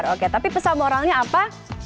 oke tapi pesan moralnya apa